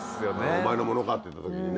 お前のものか？って言った時にね。